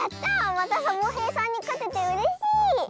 またサボへいさんにかててうれしい！